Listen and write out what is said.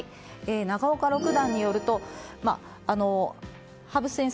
長岡六段によると、羽生先生